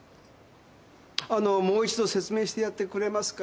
あのーもう一度説明してやってくれますか。